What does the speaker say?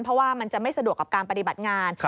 เพราะว่ามันจะไม่สะดวกกับการปฏิบัติงาน